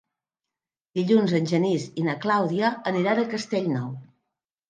Dilluns en Genís i na Clàudia aniran a Castellnou.